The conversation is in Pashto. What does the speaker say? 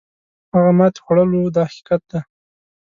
هغه ماتې خوړل وو دا حقیقت دی.